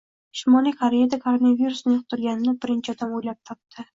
Shimolij Koreyada koronavirusni yuqtirganini birinchi odam o'ylab topdi